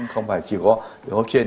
không phải chỉ có đường hốp trên